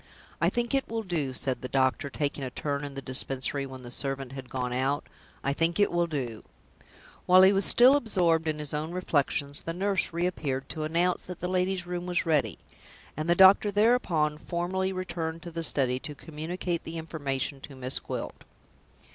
"I think it will do," said the doctor, taking a turn in the Dispensary when the servant had gone out "I think it will do." While he was still absorbed in his own reflections, the nurse re appeared to announce that the lady's room was ready; and the doctor thereupon formally returned to the study to communicate the information to Miss Gwilt.